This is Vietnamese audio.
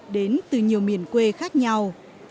đến từ nhiều miền quê khác nhau